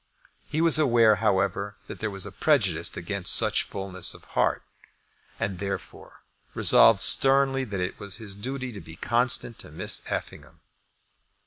He was aware, however, that there was a prejudice against such fulness of heart, and, therefore, resolved sternly that it was his duty to be constant to Miss Effingham.